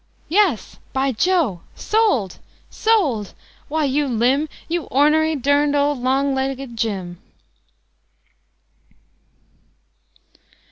Yes! By Jo! Sold! Sold! Why, you limb; You ornery, Derned old Long legged Jim!"